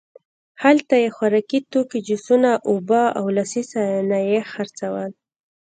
هلته یې خوراکي توکي، جوسونه، اوبه او لاسي صنایع خرڅول.